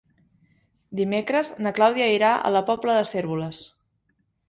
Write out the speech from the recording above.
Dimecres na Clàudia irà a la Pobla de Cérvoles.